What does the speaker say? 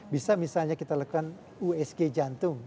bisa misalnya kita lakukan usg jantung